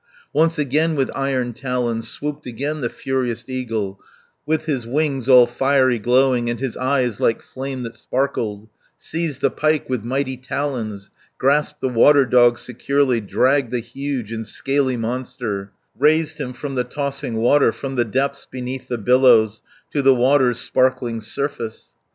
Once again, with iron talons, 270 Swooped again the furious eagle, With his wings all fiery glowing, And his eyes like flame that sparkled, Seized the pike with mighty talons, Grasped the water dog securely, Dragged the huge and scaly monster, Raised him from the tossing water, From the depths beneath the billows, To the water's sparkling surface.